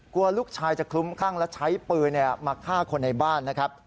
กลัวลูกชายจะคลุ้มคลั่งและใช้ปืนมาฆ่าคนในบ้านนะครับ